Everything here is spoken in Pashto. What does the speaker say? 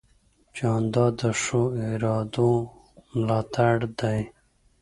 جانداد د ښو ارادو ملاتړ دی.